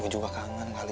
yaudah kalau gitu